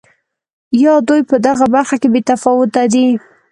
یا دوی په دغه برخه کې بې تفاوته دي.